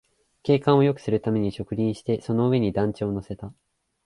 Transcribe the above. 景観をよくするために植林して、その上に団地を乗せた